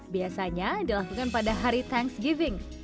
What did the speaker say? biasanya dilakukan pada hari thanksgiving